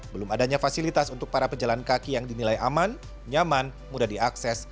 belum adanya fasilitas untuk para pejalan kaki yang dinilai aman nyaman mudah diakses